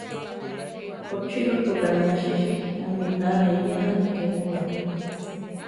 Kochilótuka ne asísili, aminá ne eyénali, ké néwaraká.